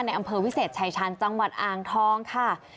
อำเภอวิเศษชายชาญจังหวัดอ่างทองค่ะ